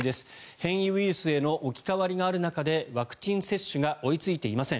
変異ウイルスへの置き換わりがある中でワクチン接種が追いついていません。